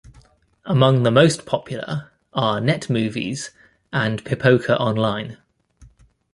Among the most popular are NetMovies and Pipoca Online.